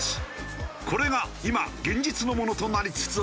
これが今現実のものとなりつつある。